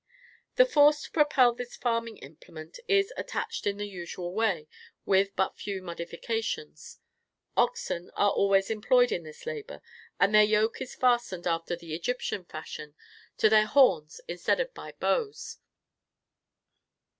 The force to propel this farming implement is attached in the usual way, with but few modifications. Oxen are always employed in this labor, and their yoke is fastened after the Egyptian fashion, to their horns instead of by bows.